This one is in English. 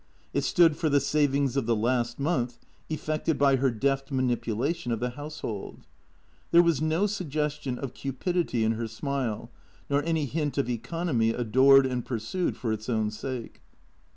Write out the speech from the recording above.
It stood for the savings of the last month, effected by her deft manipulation of the household. There was no suggestion of cupidity in her smile, nor any hint of economy adored and pursued for its own sake.